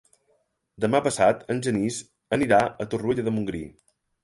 Demà passat en Genís anirà a Torroella de Montgrí.